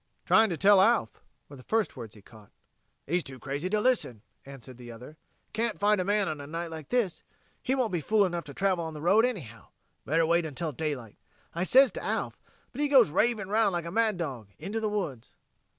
"...trying to tell Alf," were the first words he caught. "He's too crazy to listen," answered the other. "Can't find a man on a night like this. He won't be fool enough to travel on the road, anyhow. Better wait until daylight, I says to Alf, but he goes raving 'round like a mad dog into the woods."